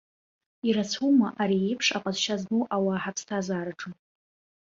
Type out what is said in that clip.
Ирацәоума ари иеиԥш аҟазшьа змоу ауаа ҳаԥсҭазаараҿы?